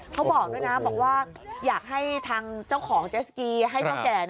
เขาบอกด้วยนะบอกว่าอยากให้ทางเจ้าของเจสกีให้เท่าแก่